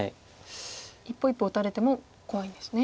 一歩一歩打たれても怖いんですね。